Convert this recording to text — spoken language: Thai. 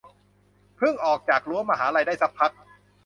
เพิ่งออกจากรั้วมหาลัยได้สักพัก